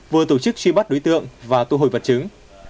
vừa tổ chức truy bắt đối tượng và tổ hội vật chứng